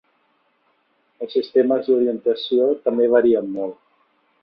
Els sistemes d'orientació també varien molt.